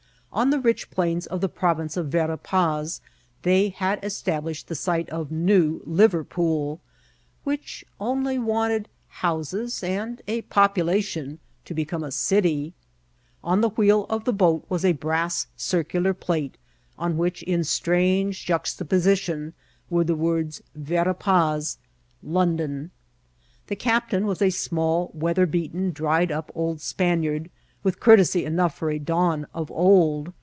On the rich plains of the province of Vera Paz they had established the site of New Liverpool, which only wanted houses and a pop ulation to become a city. On the wheel of the boat S4 INCIDENTS OF TRATBL. was a brass circular plate, on which, in strange juxta position, were the words "Vera Paz," "London.'*' The captain was a small, weather beaten, dried up old Spaniard, with courtesy enough for a Don of old.